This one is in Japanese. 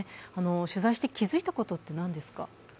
取材して気付いたことって何ですか？